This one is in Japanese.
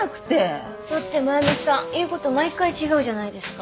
だって真由美さん言うこと毎回違うじゃないですか。